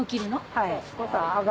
はい。